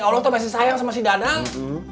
allah tuh masih sayang sama si dadang